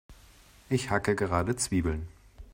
Ich hacke gerade Zwiebeln.